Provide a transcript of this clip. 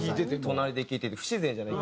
隣で聴いてて不自然じゃない。